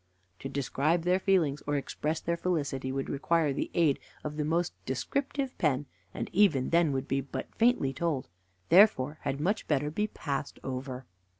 To describe their feelings or express their felicity would require the aid of the most descriptive pen, and even then would be but faintly told, and therefore had much better be passed over.